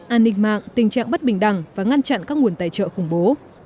an ninh mạng tình trạng bất bình đẳng và ngăn chặn các nguồn tài trợ khủng bố